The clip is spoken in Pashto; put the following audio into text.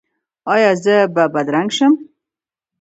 ایا زه به بدرنګه شم؟